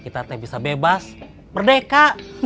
yang bisa bebas berdeka